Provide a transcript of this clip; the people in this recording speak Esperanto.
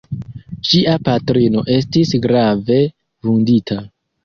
Ŝia patrino estis grave vundita.